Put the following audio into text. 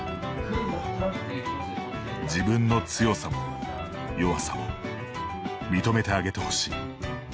「自分の強さも弱さも認めてあげてほしい」